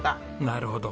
なるほど。